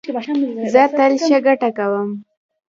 زه تل ښه ګټه کوم